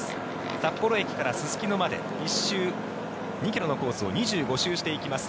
札幌駅からすすきのまで１周２ｋｍのコースを２５周していきます。